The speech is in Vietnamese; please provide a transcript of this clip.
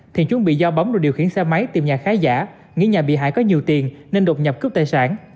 thiện chuẩn bị do bóng đồ điều khiển xe máy tìm nhà khái giả nghĩ nhà bị hại có nhiều tiền nên đột nhập cướp tài sản